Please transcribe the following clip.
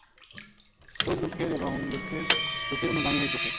সুখ দুঃখের এবং দুঃখ সুখের অনুগামী হইতেছে।